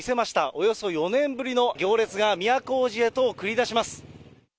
およそ４年ぶりの行列が、都大路へと繰り出します。